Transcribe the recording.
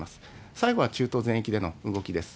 最後は中東全域での動きです。